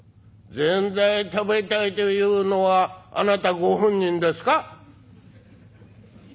「ぜんざい食べたいというのはあなたご本人ですか？」。